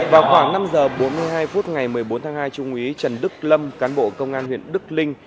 vào khoảng năm giờ bốn mươi hai phút ngày một mươi bốn tháng hai trung úy trần đức lâm cán bộ công an huyện đức linh